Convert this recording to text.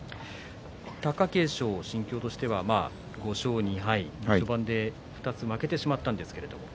貴景勝、心境としては５勝２敗、序盤で２つ負けてしまったんですけれど。